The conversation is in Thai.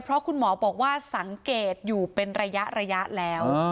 เพราะคุณหมอบอกว่าสังเกตอยู่เป็นระยะแล้ว